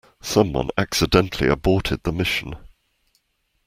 Someone accidentally aborted the mission.